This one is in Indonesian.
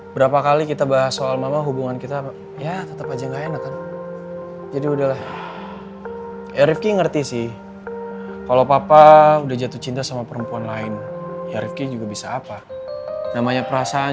berapa kali kita bahas soal mama hubungan kita ya tetep aja gak enak kan